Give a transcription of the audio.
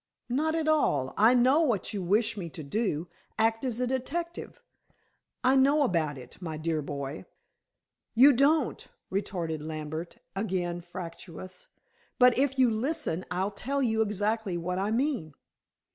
"Not at all. I know what you wish me to do; act as detective; I know about it, my dear boy." "You don't," retorted Lambert, again fractious. "But if you listen I'll tell you exactly what I mean."